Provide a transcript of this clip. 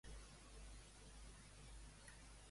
Què narrava, doncs, que no fossin situacions bèl·liques?